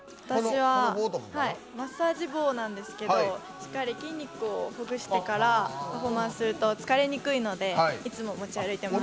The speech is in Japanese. マッサージ棒なんですけどしっかり筋肉をほぐしてからパフォーマンスをすると疲れにくいのでいつも持ち歩いています。